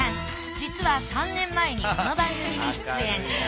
実は３年前にこの番組に出演。